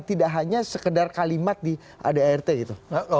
tidak hanya sekedar kalimat di adart gitu